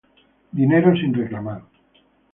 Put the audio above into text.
Dinero sin reclamar